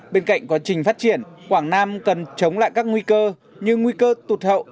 bên cạnh quá trình phát triển quảng nam cần chống lại các nguy cơ như nguy cơ tụt hậu